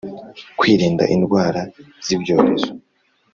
Kwirinda indwara z ibyorezo